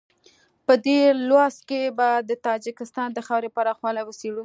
په دې لوست کې به د تاجکستان د خاورې پراخوالی وڅېړو.